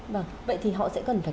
vâng vậy thì họ sẽ cần phải